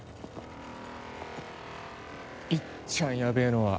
いっちゃんやべえのは。